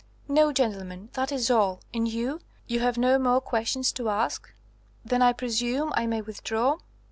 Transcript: "No, gentlemen. That is all. And you you have no more questions to ask? Then I presume I may withdraw?"